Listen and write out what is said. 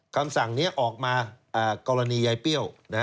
คำสั่งนี้ออกมากรณียายเปรี้ยว